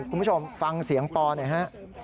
คุณผู้ชมฟังเสียงปอหน่อยฮะ